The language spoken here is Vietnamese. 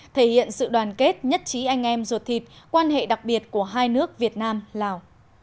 thể hiện sự đoàn kết nhất trí anh em ruột thịt quan hệ đặc biệt của hai nước việt nam lào